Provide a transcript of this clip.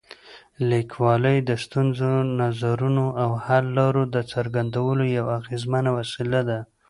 لیکوالی د ستونزو، نظرونو او حل لارو د څرګندولو یوه اغېزمنه وسیله ده.